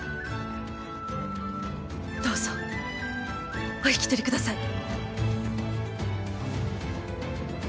どうぞお引き取りください。